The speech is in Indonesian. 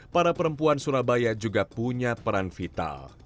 para perempuan surabaya juga punya peran vital